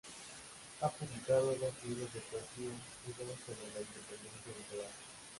Ha publicado dos libros de poesía y dos sobre la independencia de Croacia.